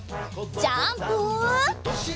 ジャンプ！